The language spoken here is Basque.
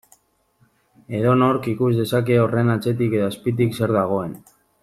Edonork ikus dezake horren atzetik edo azpitik zer dagoen.